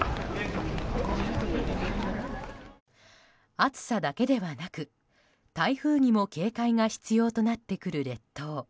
暑さだけではなく、台風にも警戒が必要となってくる列島。